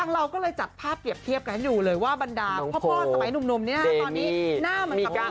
ทางเราก็เลยจัดภาพเตรียบเทียบให้อยู่เลยว่าบรรดาพ่อสมัยหนุ่มเนี่ยนะ